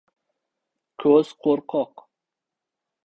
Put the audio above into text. • Ko‘z — qo‘rqoq.